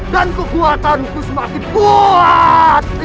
dan kekuatanku semakin kuat